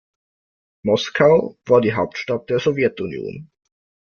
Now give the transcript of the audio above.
Moskau war die Hauptstadt der Sowjetunion.